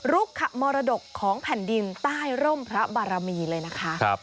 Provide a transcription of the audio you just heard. มรดกของแผ่นดินใต้ร่มพระบารมีเลยนะคะ